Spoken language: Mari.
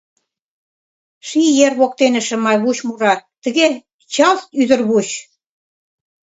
Ший ер воктене шымавуч мура тыге ялт ӱдырвуч.